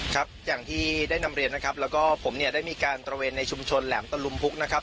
ครับอย่างที่ได้นำเรียนนะครับแล้วก็ผมเนี่ยได้มีการตระเวนในชุมชนแหลมตะลุมพุกนะครับ